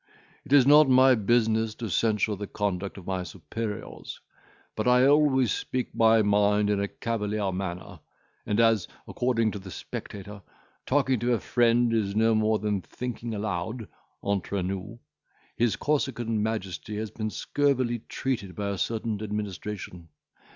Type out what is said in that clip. It is not my business to censure the conduct of my superiors; but I always speak my mind in a cavalier manner, and as, according to the Spectator, talking to a friend is no more than thinking aloud, entre nous, his Corsican majesty has been scurvily treated by a certain administration.